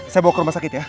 saya bawa ke rumah sakit ya